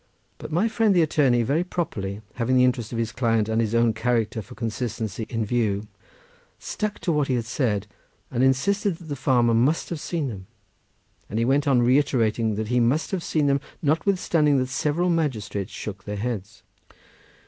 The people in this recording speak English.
But my friend the attorney very properly, having the interest of his client and his own character for consistency in view, stuck to what he had said, and insisted that the farmer must have seen them, and he went on reiterating that he must have seen them, notwithstanding that several magistrates shook their heads.